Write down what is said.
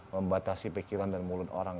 membatasi pikiran dan mulut orang